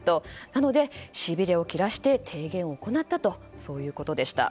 なので、しびれを切らして提言を行ったということでした。